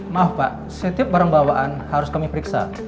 maaf pak setiap barang bawaan harus kami periksa